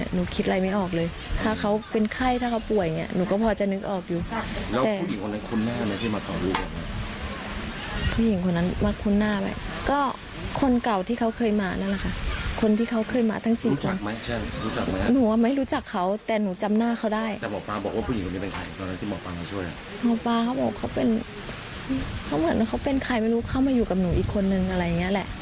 หมอบอกเขาเป็นใครไม่รู้เข้ามาอยู่กับหนูอีกคนนึง